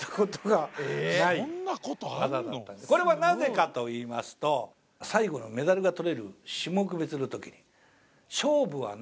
これはなぜかといいますと最後のメダルがとれる種目別の時に。